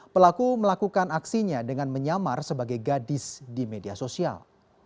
pelaku melakukan aksinya dengan menyamar sebagai gadis di media sosial